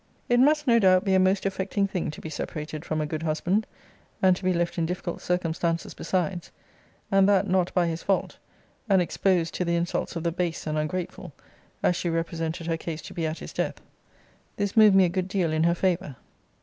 It must, no doubt, be a most affecting thing to be separated from a good husband, and to be left in difficult circumstances besides, and that not by his fault, and exposed to the insults of the base and ungrateful, as she represented her case to be at his death. This moved me a good deal in her favour.